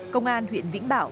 công an huyện vĩnh bảo